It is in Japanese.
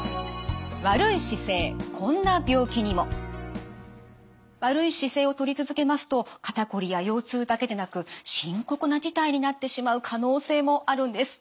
悪い姿勢をとり続けますと肩こりや腰痛だけでなく深刻な事態になってしまう可能性もあるんです。